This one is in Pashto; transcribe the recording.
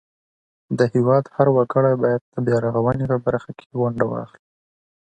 د هیواد هر وګړی باید د بیارغونې په برخه کې ونډه واخلي.